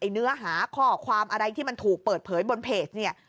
เนื้อหาข้อความอะไรที่มันถูกเปิดเผยบนเพจเนี่ย